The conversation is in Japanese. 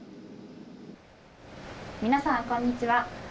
皆さんこんにちは。